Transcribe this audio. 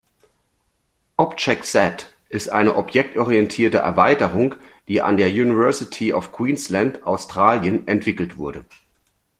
Object-Z ist eine objektorientierte Erweiterung, die an der University of Queensland, Australien, entwickelt wurde.